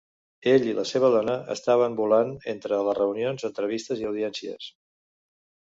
Ell i la seva dona estaven volant entre les reunions, entrevistes i audiències.